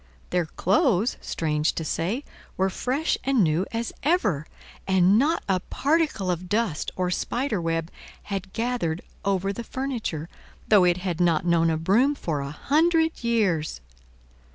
Their clothes, strange to say, were fresh and new as ever; and not a particle of dust or spider web had gathered over the furniture, though it had not known a broom for a hundred years.